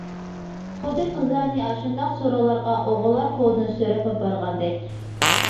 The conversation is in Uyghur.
خۇددى قىزلارنى ئاشۇنداق سورۇنلارغا ئوغۇللار قۇلىدىن سۆرەپ ئاپارغاندەك.